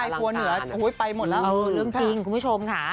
คุณผู้ชมค่ะ